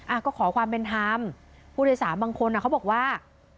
อ่ะก็ขอความเป็นธรรมผู้โดยสารบางคนอ่ะเขาบอกว่า